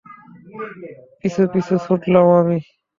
পিছু পিছু ছুটলুম আমি।